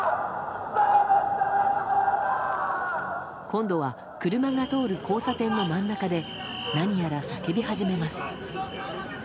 今度は車が通る交差点の真ん中で何やら叫び始めます。